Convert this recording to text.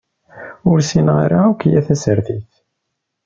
Ur ssineɣ ara akya tasertit.